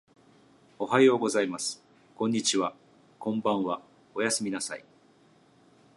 おはようございます。こんにちは。こんばんは。おやすみなさい。